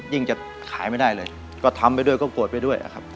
จะขายไม่ได้เลยก็ทำไปด้วยก็โกรธไปด้วยครับ